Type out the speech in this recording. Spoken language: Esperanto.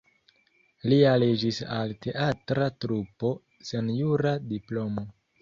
Li aliĝis al teatra trupo sen jura diplomo.